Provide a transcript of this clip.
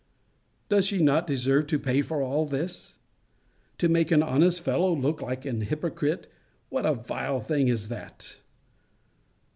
Does she not deserve to pay for all this? To make an honest fellow look like an hypocrite, what a vile thing is that!